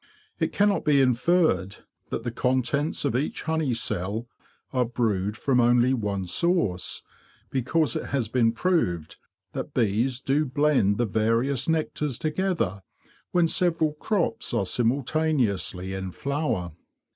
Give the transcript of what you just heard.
It cannot be inferred that the contents of each honey cell are brewed from only one source, because it has been proved that bees do blend the various nectars together when several crops are simultaneously in flower.